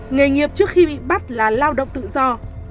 nghề nghiệp trước khi bị bắt là lao động tự do